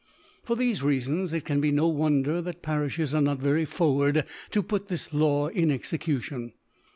For ( 136) For thefe Rcafbns^ it can be no wonder tBat Parilhes are not very forward to put this Law in Execution.